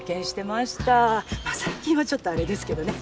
まあ最近はちょっとあれですけどね